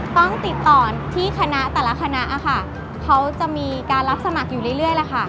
ต้องติดต่อที่คณะแต่ละคณะค่ะเขาจะมีการรับสมัครอยู่เรื่อยล่ะค่ะ